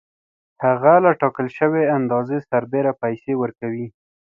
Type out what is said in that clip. هغه له ټاکل شوې اندازې سربېره پیسې ورکوي